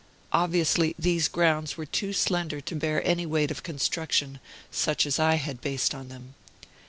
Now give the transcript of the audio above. Obviously these grounds were too slender to bear any weight of construction such as I had based on them.